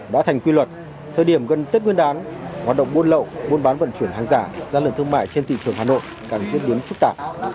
đã thành quy luật thời điểm gần tết nguyên đáng hoạt động buôn lậu buôn bán vận chuyển hàng giả ra lần thương mại trên thị trường hà nội càng diễn biến trúc tả